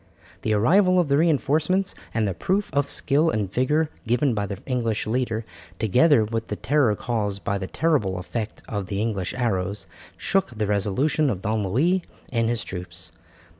The arrival of the reinforcements and the proof of skill and vigour given by the English leader, together with the terror caused by the terrible effect of the English arrows, shook the resolution of Don Louis and his troops.